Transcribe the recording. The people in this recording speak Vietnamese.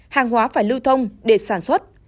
hàng hóa phải lưu thông để sản xuất